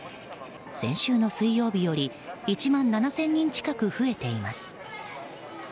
先週の水曜日より１万７０００人近く増えています。